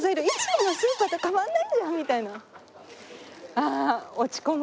ああ落ち込む！